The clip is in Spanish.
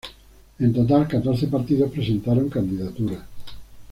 En total catorce partidos presentaron candidatura.